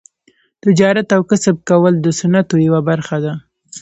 تجارت او کسب کول د سنتو یوه برخه ده.